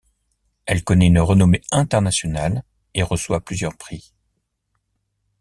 Elle connait une renommée internationale et reçoit plusieurs prix.